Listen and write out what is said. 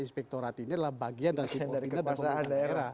inspektorat ini adalah bagian dari pemerintah daerah